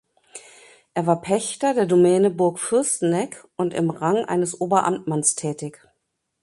Er war Pächter der Domäne Burg Fürsteneck und im Rang eines Oberamtmanns tätig.